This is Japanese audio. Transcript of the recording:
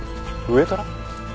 上から？